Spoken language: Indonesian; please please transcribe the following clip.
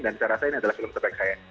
dan saya rasa ini adalah film terbaik saya